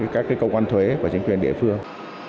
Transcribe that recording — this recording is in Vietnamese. các cơ quan thuế của chính quyền địa phương